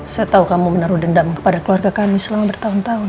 setahu kamu menaruh dendam kepada keluarga kami selama bertahun tahun